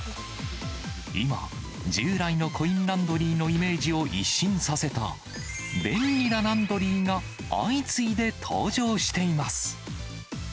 今、従来のコインランドリーのイメージを一新させた、便利なランドリーが相次いで登場しています。